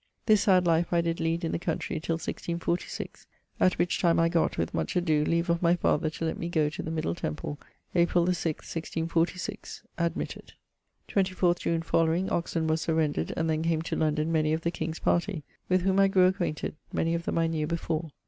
This sad life I did lead in the country till 1646, at which time I gott (with much adoe) leave of my father to lett me goe to the Middle Temple, April the 6ᵗʰ 1646; admitted.... 24 June following, Oxon was surrendred, and then came to London many of the king's party, with whom I grew acquainted (many of them I knew before).